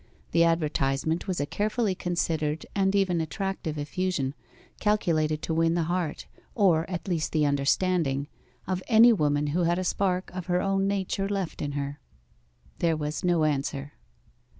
The advertisement was a carefully considered and even attractive effusion, calculated to win the heart, or at least the understanding, of any woman who had a spark of her own nature left in her. There was no answer.